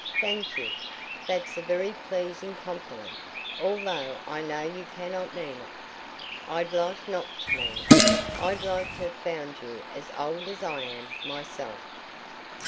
"Thank you. That's a very pleasing compliment, although I know you cannot mean it." "I'd like not to mean it. I'd like to have found you as old as I am myself."